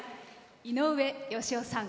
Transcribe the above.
井上芳雄さん